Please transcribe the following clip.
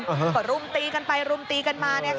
ก็รุมตีกันไปรุมตีกันมาเนี่ยค่ะ